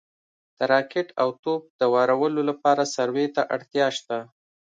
د راکټ او توپ د وارولو لپاره سروې ته اړتیا شته